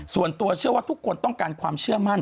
ส่วนตัวเชื่อว่าทุกคนต้องการความเชื่อมั่น